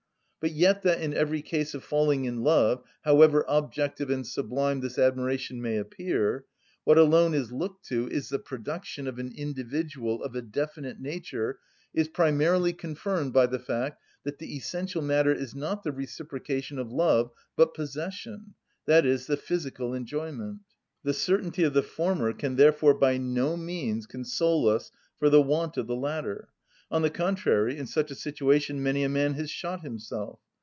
But yet that in every case of falling in love, however objective and sublime this admiration may appear, what alone is looked to is the production of an individual of a definite nature is primarily confirmed by the fact that the essential matter is not the reciprocation of love, but possession, i.e., the physical enjoyment. The certainty of the former can therefore by no means console us for the want of the latter; on the contrary, in such a situation many a man has shot himself.